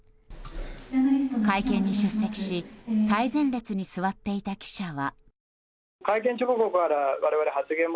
会見に出席し最前列に座っていた記者は。